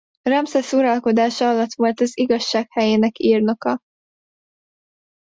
Ramszesz uralkodása alatt volt az Igazság helyének írnoka.